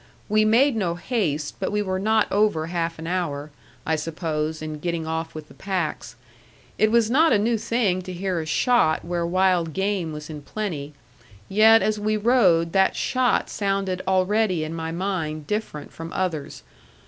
We made no haste, but we were not over half an hour, I suppose, in getting off with the packs. It was not a new thing to hear a shot where wild game was in plenty; yet as we rode that shot sounded already in my mind different from others.